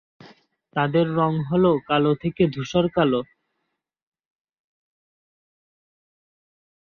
তাদের ত্বকের রঙ হল কালো থেকে ধূসর কালো।